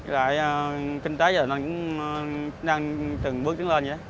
với lại kinh tế giờ nó cũng đang từng bước đến lên vậy